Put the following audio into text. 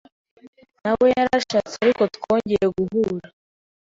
Nawe yarashatse ariko twongeye guhura